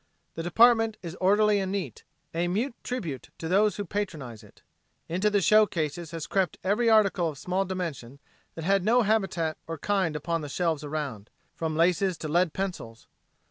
The department is orderly and neat, a mute tribute to those who patronize it. Into the show cases has crept every article of small dimension that had no habitat or kind upon the shelves around from laces to lead pencils.